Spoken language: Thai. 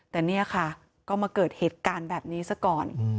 แต่เนี่ยค่ะก็มาเกิดเหตุการณ์แบบนี้ซะก่อน